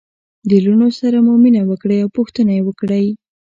د لوڼو سره مو مینه وکړئ او پوښتنه يې وکړئ